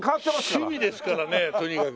趣味ですからねとにかく。